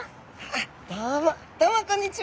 どうもどうもこんにちは！